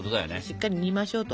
しっかり煮ましょうと。